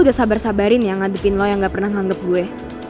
lo udah sabar sabarin ya ngadepin lo yang gak pernah menganggap gue